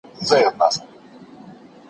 که لارښود مرسته ونه کړي، څېړنه ځنډېږي.